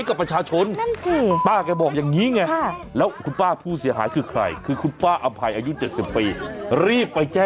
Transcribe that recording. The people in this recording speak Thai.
ก็ขายให้กับประชาชน